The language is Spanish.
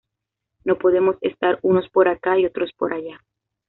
No podemos estar unos por acá y otros por allá"".